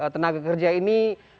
tenaga kerja ini